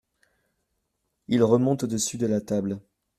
Ils remontent au-dessus de la table.